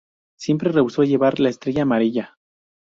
Siempre rehusó llevar la estrella amarilla.